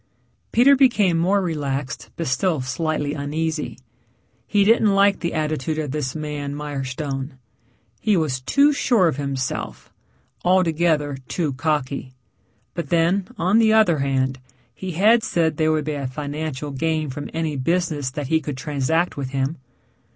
Peter became more relaxed but still slightly uneasy. He didn't like the attitude of this man, Mirestone. He was too sure of himself altogether too cocky. But then on the other hand he had said there would be a financial gain from any business that he could transact with him.